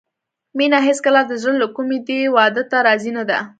مينه هېڅکله د زړه له کومې دې واده ته راضي نه ده